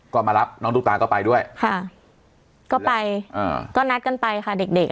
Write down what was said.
ก็มารับน้องตุ๊กตาก็ไปด้วยค่ะก็ไปอ่าก็นัดกันไปค่ะเด็กเด็ก